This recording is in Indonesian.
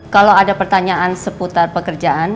kalau ada pertanyaan seputar pekerjaan